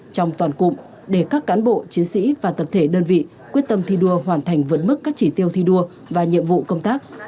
trong toàn cụm để các cán bộ chiến sĩ và tập thể đơn vị quyết tâm thi đua hoàn thành vượt mức các chỉ tiêu thi đua và nhiệm vụ công tác